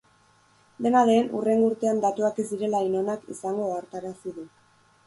Dena den, hurrengo urtean datuak ez direla hain onak izango ohartarazi du.